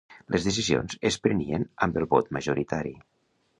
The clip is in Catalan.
Les decisions es prenien amb el vot majoritari.